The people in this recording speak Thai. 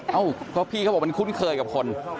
เอ้าเพราะพี่เขาบอกมันคุ้นเคยกับคน